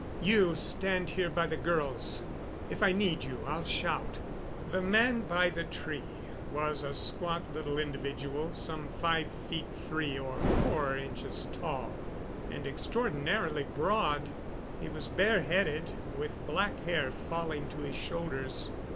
"You stand here by the girls. If I need you, I'll shout." The man by the tree was a squat little individual, some five feet three or four inches tall, and extraordinarily broad. He was bareheaded, with black hair falling to his shoulders.